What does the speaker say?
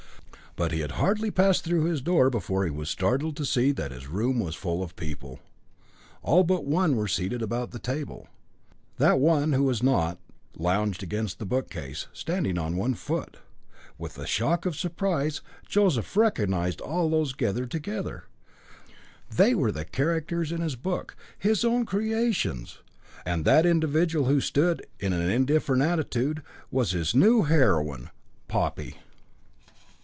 But he had hardly passed through his door before he was startled to see that his room was full of people; all but one were seated about the table. That one who was not, lounged against the bookcase, standing on one foot. With a shock of surprise, Joseph recognised all those there gathered together. They were the characters in his book, his own creations. And that individual who stood, in an indifferent attitude, was his new heroine, Poppy.